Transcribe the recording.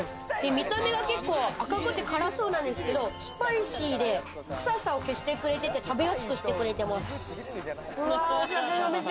見た目が結構赤くて辛そうなんですけど、スパイシーで臭さを消してくれてて、食べやすくしてくれてます。